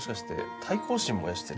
対抗心燃やしてる？